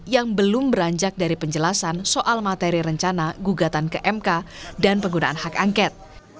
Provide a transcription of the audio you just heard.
yang belum beranjak dari penjelasan soal materi rencana gugatan ke mk dan penggunaan hak angket